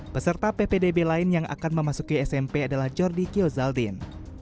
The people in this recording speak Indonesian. peserta ppdb lain yang akan memasuki smp adalah jordi kiozaldin